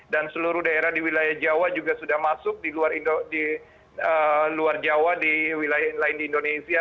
dan seluruh daerah di wilayah jawa juga sudah masuk di luar jawa di wilayah lain di indonesia